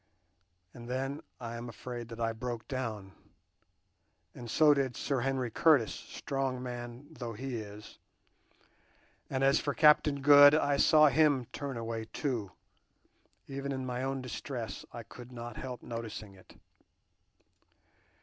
And then I am afraid that I broke down, and so did Sir Henry Curtis, strong man though he is; and as for Captain Good, I saw him turn away too; even in my own distress I could not help noticing it."